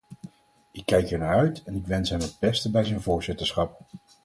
Ik kijk er naar uit, en ik wens hem het beste bij zijn voorzitterschap.